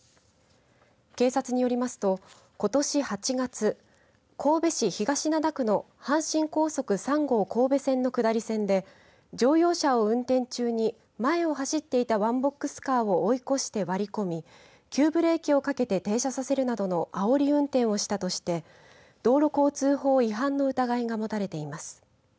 警察によりますとことし８月、神戸市東灘区の阪神高速３号神戸線の下り線で乗用車を運転中に前を走っていたワンボックスカーを追い越して割り込み急ブレーキをかけて停車させるなどのあおり運転をしたとして道路交通法違反の疑いが持たれています。